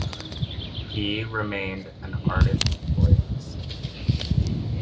He remained an ardent royalist.